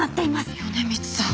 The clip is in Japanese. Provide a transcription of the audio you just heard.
米光さん。